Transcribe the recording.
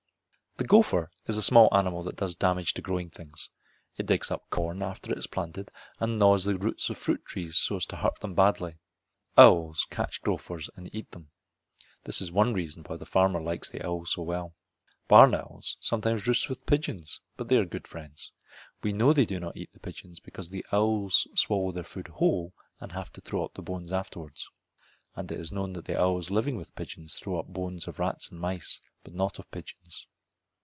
The gopher is a small animal that does damage to growing things. It digs up corn after it is planted, and it gnaws the roots of fruit trees so as to hurt them badly. Owls catch gophers and eat them. This is one reason why the farmer likes the owl so well. Barn owls sometimes roost with pigeons, but they are good friends. We know they do not eat the pigeons because owls swallow their food whole and have to throw up the bones afterwards, and it is known that the owls living with the pigeons throw up bones of rats and mice but not of pigeons.